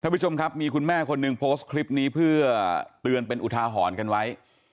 ผู้ชมครับมีคุณแม่คนหนึ่งโพสต์คลิปนี้เพื่อเตือนเป็นอุทาหรณ์กันไว้